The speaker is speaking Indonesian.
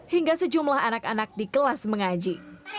hingga sejumlah anak anak di kelas mengaji